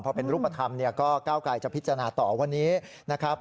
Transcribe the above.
พอเป็นรูปธรรมเนี่ยก็ก้าวไกรจะพิจารณาต่อวันนี้นะครับ